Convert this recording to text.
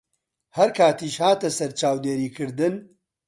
هەر کاتیش هاتە سەر چاودێریکردن